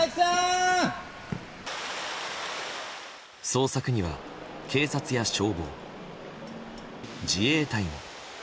捜索には警察や消防、自衛隊も。